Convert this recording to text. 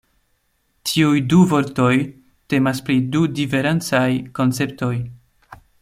Tiuj du vortoj temas pri du diferencaj konceptoj.